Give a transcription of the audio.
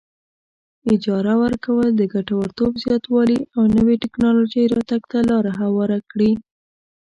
اجاره ورکول د ګټورتوب زیاتوالي او نوې ټیکنالوجۍ راتګ ته لار هواره کړي.